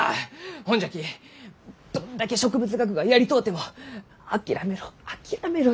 ほんじゃきどんだけ植物学がやりとうても「諦めろ諦めろ」